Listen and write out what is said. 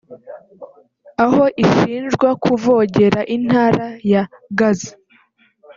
aho ishinjwa kuvogera intara ya Gaza